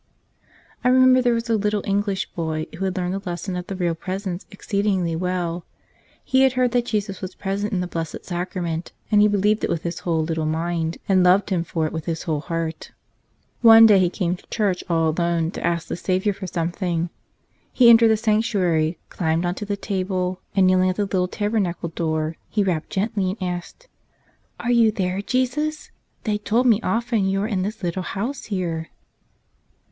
I remember there was a little English boy who had learned the lesson of the Real Presence exceedingly well. He had heard that Jesus was present in the Blessed Sacrament, and he believed it with his whole little mind and loved Him for it with his whole heart. One day he came to church all alone to ask the Savior for something. He entered the sanctuary, climbed onto the altar, and kneeling at the little tab¬ ernacle door he rapped gently and asked, "Are You there, Jesus? They told me often You are in this little house here."